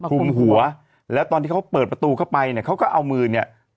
คลุมหัวแล้วตอนที่เขาเปิดประตูเข้าไปเนี่ยเขาก็เอามือเนี่ย